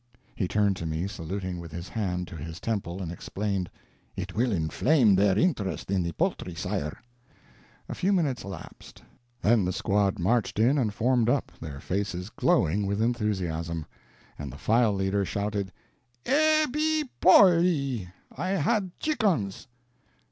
He turned to me, saluting with his hand to his temple, and explained, "It will inflame their interest in the poultry, sire." A few minutes elapsed. Then the squad marched in and formed up, their faces glowing with enthusiasm, and the file leader shouted: "Ebbi polli, I had chickens!"